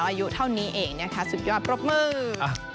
อายุเท่านี้เองนะคะสุดยอดปรบมือ